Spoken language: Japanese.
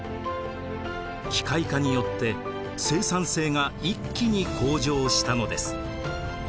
機械化によって生産性が一気に向上したのです。